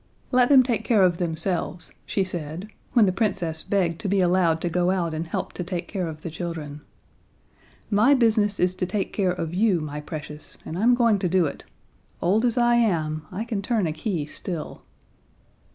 "Let them take care of themselves," she said, when the Princess begged to be allowed to go out and help to take care of the children. "My business is to take care of you, my precious, and I'm going to do it. Old as I am, I can turn a key still."